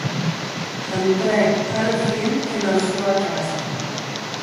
Entrèc ara fin ena sua casa.